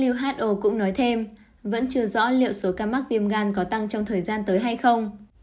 w h o cũng nói thêm vẫn chưa rõ liệu số ca mắc viêm gan có tăng trong thời gian tới hay không